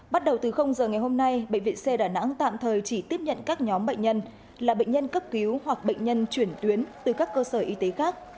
bắt đầu từ giờ ngày hôm nay bệnh viện c đà nẵng tạm thời chỉ tiếp nhận các nhóm bệnh nhân là bệnh nhân cấp cứu hoặc bệnh nhân chuyển tuyến từ các cơ sở y tế khác